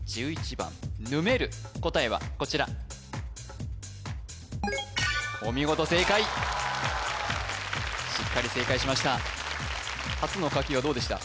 番ぬめる答えはこちらお見事正解しっかり正解しました初の書きはどうでした？